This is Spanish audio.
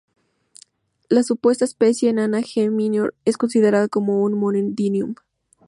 La supuesta especie enana "G. minor" es considerada como un "nomen dubium".